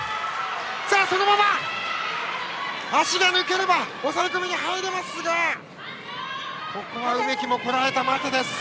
そのまま足が抜ければ抑え込みに入れますがここは梅木もこらえました。